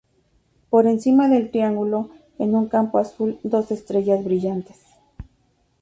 Por encima del triángulo en un campo azul dos estrellas brillantes.